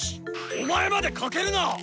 お前まで賭けるな！